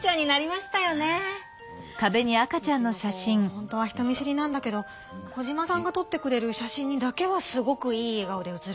ほんとは人見知りなんだけどコジマさんがとってくれる写真にだけはすごくいいえがおで写るのよね。